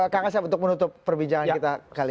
kak ngasya untuk menutup perbincangan kita kali ini